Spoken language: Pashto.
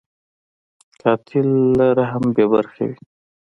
قاتل له رحم بېبرخې وي